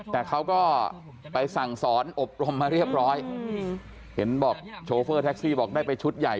แต่เขาก็ไปสั่งสอนอบรมมาเรียบร้อยเห็นบอกโชเฟอร์แท็กซี่บอกได้ไปชุดใหญ่